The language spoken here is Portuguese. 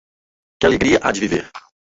Que alegria há em viver?